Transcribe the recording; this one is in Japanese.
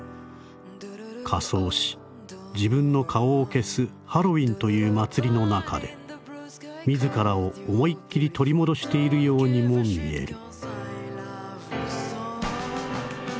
仮装し自分の顔を消すハロウィンという祭りの中で自らを思いっ切り取り戻しているようにも見える」。